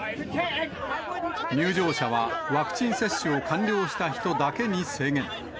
入場者はワクチン接種を完了した人だけに制限。